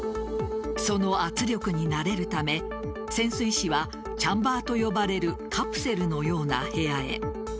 その圧力に慣れるため潜水士はチャンバーと呼ばれるカプセルのような部屋へ。